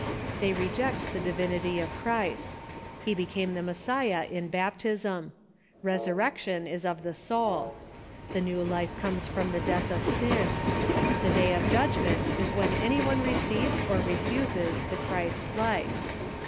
They reject the divinity of Christ. He became the Messiah in baptism. Resurrection is of the soul. The new life comes from the death of sin. The day of judgment is when anj^ one receives or refuses the Christ life.